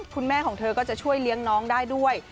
คุณแม่ของเธอก็จะช่วยเลี้ยงน้องได้ด้วย